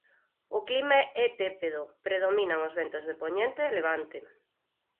O clima é tépedo; predominan os ventos de poñente e levante.